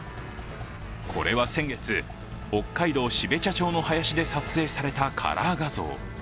これは先月、北海道標茶町の林で撮影されたカラー画像。